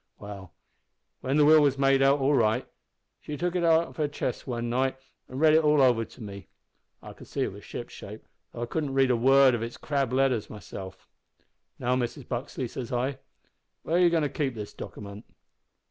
"Well, when the will was made out all right, she took it out of her chest one night an' read it all over to me. I could see it was shipshape, though I couldn't read a word of its crabbed letters myself. "`Now Mrs Buxley,' says I, `where are you goin' to keep that dockiment?'